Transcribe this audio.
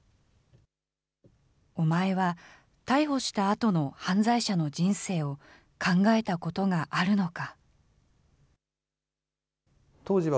お前は逮捕したあとの犯罪者の人生を考えたことがあるのか。